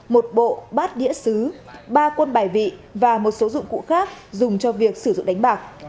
một bộ bát đĩa xứ ba quân bài vị và một số dụng cụ khác dùng cho việc sử dụng đánh bạc